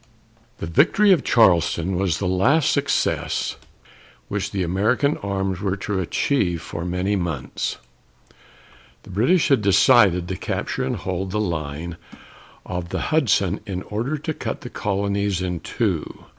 The victory at Charleston was the last success which American arms were to achieve for many months. The British had decided to capture and hold the line of the Hudson in order to cut the colonies in two.